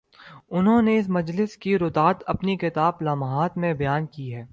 انہوں نے اس مجلس کی روداد اپنی کتاب "لمحات" میں بیان کی ہے۔